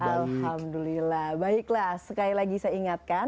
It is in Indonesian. alhamdulillah baiklah sekali lagi saya ingatkan